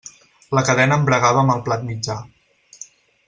La cadena embragava amb el plat mitjà.